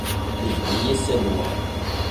Tejjem-iyi Salwa.